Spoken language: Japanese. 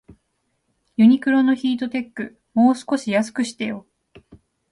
ユニクロのヒートテック、もう少し安くしてよ